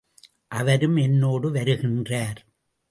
அவரும் என்னோடு வருகின்றார்.